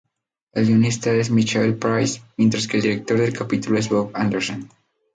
El guionista es Michael Price, mientras que el director del capítulo es Bob Anderson.